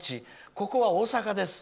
ここは大阪です。